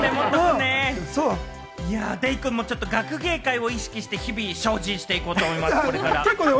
デイくんも学芸会を意識して日々精進していこうと思います。